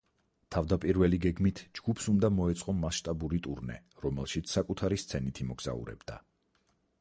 თავდაპირველი გეგმით ჯგუფს უნდა მოეწყო მასშტაბური ტურნე, რომელშიც საკუთარი სცენით იმოგზაურებდა.